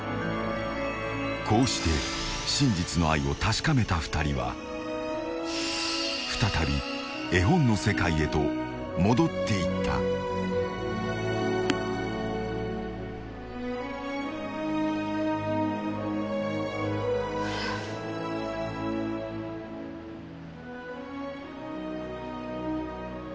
［こうして真実の愛を確かめた２人は再び絵本の世界へと戻っていった］えっ？